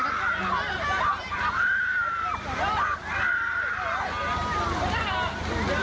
เด็กจมน้้ำครับ